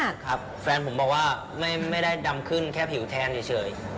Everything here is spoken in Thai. ครับแฟนผมบอกว่าไม่ได้ดำขึ้นแค่ผิวแทนเฉย